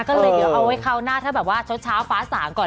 ก็เลยเอาไว้เข้าหน้าถ้าแบบว่าเช้าฟ้า๓ก่อน